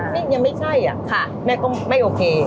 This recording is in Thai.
ยังไม่ใช่อะค่ะแม่ก็ไม่โอเค